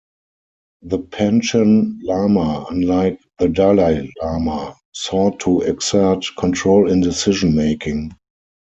The Panchen Lama, unlike the Dalai Lama, sought to exert control in decision making.